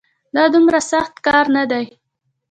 دا دومره سخت کار نه دی